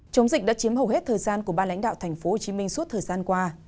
chống dịch đã chiếm hầu hết thời gian của ba lãnh đạo thành phố hồ chí minh suốt thời gian qua